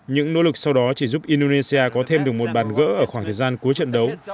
những nỗ lực sau đó chỉ giúp indonesia có thêm được một bàn gỡ ở khoảng thời gian cuối trận đấu